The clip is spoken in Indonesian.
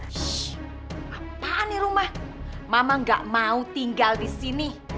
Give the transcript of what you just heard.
sh apa nih rumah mama gak mau tinggal di sini